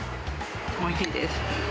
おいしいです。